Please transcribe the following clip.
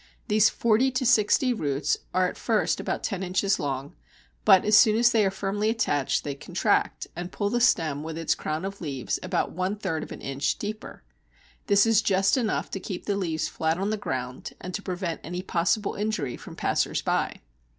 These forty to sixty roots are at first about ten inches long, but, as soon as they are firmly attached, they contract, and pull the stem with its crown of leaves about one third of an inch deeper. This is just enough to keep the leaves flat on the ground and to prevent any possible injury from passers by.